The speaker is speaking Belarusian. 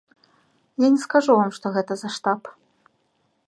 Я не скажу вам, што гэта за штаб.